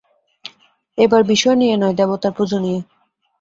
এবার বিষয় নিয়ে নয়, দেবতার পুজো নিয়ে।